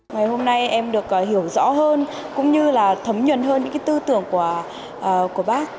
ngày hôm nay em được hiểu rõ hơn cũng như là thấm nhuận hơn những cái tư tưởng của bác